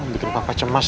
bikin papa cemas